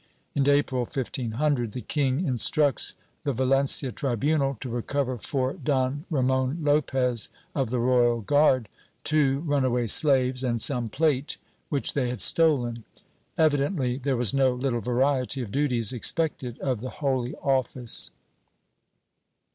In April, 1500, the king instructs the Valencia tribunal to recover for Don Ramon Lopez, of the royal guard, two runaway slaves and some plate which they had stolen.^ Evidently there was no little variety of duties expected of the Holy Office.